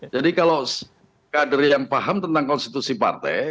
jadi kalau kader yang paham tentang konstitusi partai